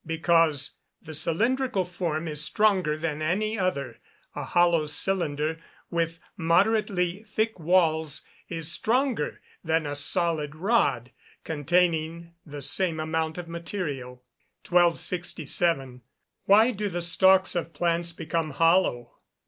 _ Because the cylindrical form is stronger than any other; a hollow cylinder, with moderately thick walls, is stronger than a solid rod, containing the same amount of material. 1267. _Why do the stalks of plants become hollow?